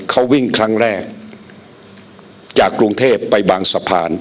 เขาวิ่งครั้งแรกจากกรุงเทพไปบางสะพาน